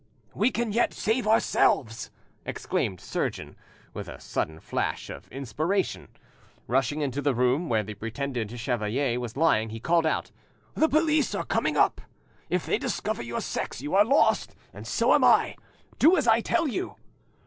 "We can yet save ourselves!" exclaimed surgeon, with a sudden flash of inspiration. Rushing into the room where the pretended chevalier was lying, he called out— "The police are coming up! If they discover your sex you are lost, and so am I. Do as I tell you."